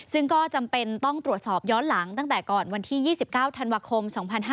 ซึ่งก็จำเป็นต้องตรวจสอบย้อนหลังตั้งแต่ก่อนวันที่๒๙ธันวาคม๒๕๕๙